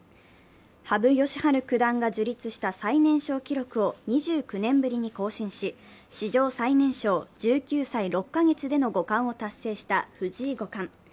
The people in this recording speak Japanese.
羽生善治九段が樹立した最年少記録を２９年ぶりに更新し史上最年少、１９歳６カ月での五冠を達成した藤井五冠。